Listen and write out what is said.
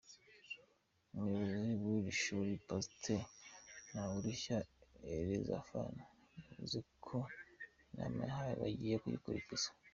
Umuyobozi w’iri shuri, Pasteur Ntawirushya Elizefan, yavuze ko inama bahawe bagiye kuyikurikiza.